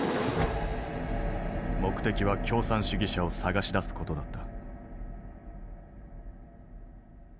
目的は共産主義者を捜し出す事だった。